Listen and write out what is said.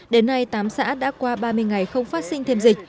đến nay tám xã đã qua ba mươi ngày không phát sinh thêm dịch